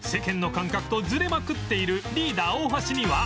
感覚とズレまくっているリーダー大橋には